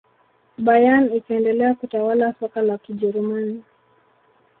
bayern ikaendelea kutawala soka la kijerumani